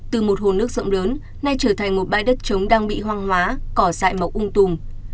từ một hồ nước rộng lớn nay trở thành một bãi đất trống đang bị hoang hóa cỏ dại mọc ung tùm